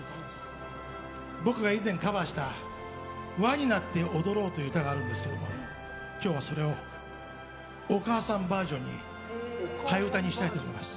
僕が以前カバーした「ＷＡになっておどろう」という歌があるんですけれども今日はそれをお母さんバージョンに替え歌にしたいと思います。